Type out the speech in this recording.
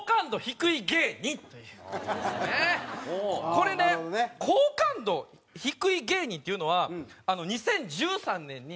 これね好感度低い芸人っていうのは２０１３年に。